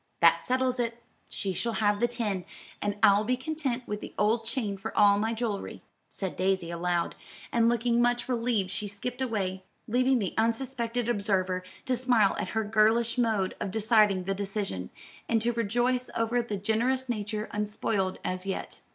"That settles it; she shall have the ten, and I'll be content with the old chain for all my jewelry," said Daisy aloud; and looking much relieved she skipped away, leaving the unsuspected observer to smile at her girlish mode of deciding the question, and to rejoice over the generous nature unspoiled as yet.